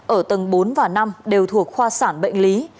ở tầng bốn và năm đều thuộc khoa sản bệnh lý